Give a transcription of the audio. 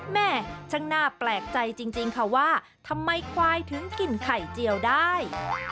แม่ช่างหน้าแปลกใจจริงค่ะว่าทำไมควายถึงกินไข่เจียวได้